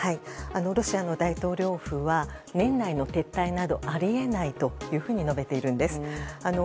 ロシアの大統領府は年内の撤退などあり得ないと述べているんです。